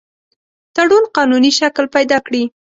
تړون قانوني شکل پیدا کړي.